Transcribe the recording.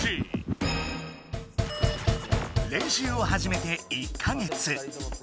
練習をはじめて１か月。